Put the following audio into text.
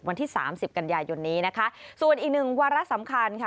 วันที่สามสิบกันยายนนี้นะคะส่วนอีกหนึ่งวาระสำคัญค่ะ